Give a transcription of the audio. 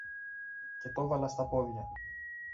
και το 'βαλα στα πόδια.